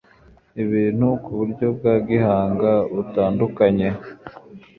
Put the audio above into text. ibintu kuburyo bwa gihanga, butandukanye